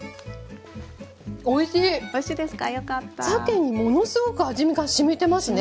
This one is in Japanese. さけにものすごく味がしみてますね。